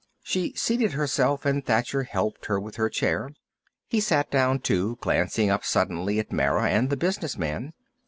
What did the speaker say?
She seated herself and Thacher helped her with her chair. He sat down, too, glancing up suddenly at Mara and the business man.